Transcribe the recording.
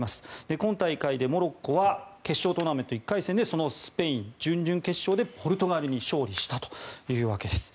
今大会でモロッコは決勝トーナメント１回戦でそのスペイン、準々決勝でポルトガルに勝利したというわけです。